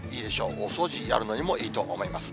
大掃除やるのにもいいと思います。